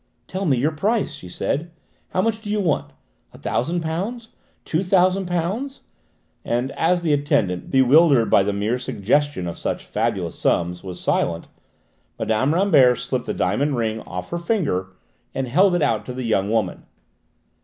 "Tell me your price," she said. "How much do you want? A thousand pounds? Two thousand pounds?" and as the attendant, bewildered by the mere suggestion of such fabulous sums, was silent, Mme. Rambert slipped a diamond ring off her finger and held it out to the young woman.